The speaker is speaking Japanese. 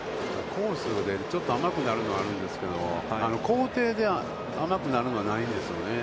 コースで甘くなるのはあるんですけど、高低で甘くなるのがないんですよね。